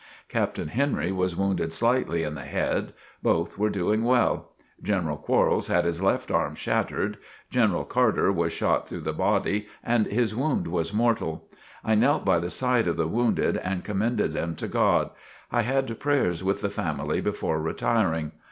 Captain Henry was wounded slightly in the head. Both were doing well. General Quarles had his left arm shattered. General Carter was shot through the body and his wound was mortal. I knelt by the side of the wounded and commended them to God. I had prayers with the family before retiring.